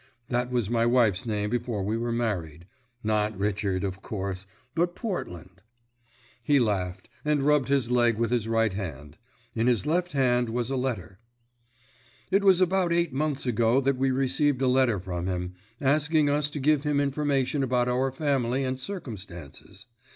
That was my wife's name before we were married not Richard, of course, but Portland." He laughed, and rubbed his leg with his right hand; in his left hand was a letter. "It was about eight months ago that we received a letter from him, asking us to give him information about our family and circumstances.